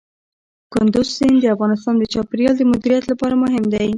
کندز سیند د افغانستان د چاپیریال د مدیریت لپاره مهم دی.